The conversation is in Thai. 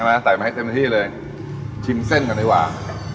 อ่าเอาล่ะใส่มาให้เต็มที่เลยชิมเส้นกันดีกว่า